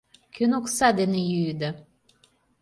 Кӧн окса дене йӱыда?